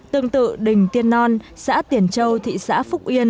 tương tự đình tiên non xã tiền châu thị xã phúc yên